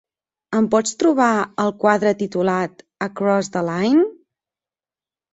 Em pots trobar el quadre titulat Across the Line?